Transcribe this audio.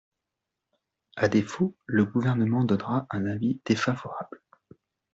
À défaut, le Gouvernement donnera un avis défavorable.